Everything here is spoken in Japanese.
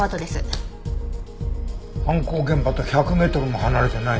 犯行現場と１００メートルも離れてないね。